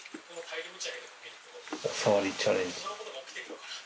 お触りチャレンジ。